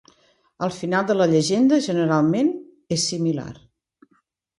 El final de la llegenda generalment és similar.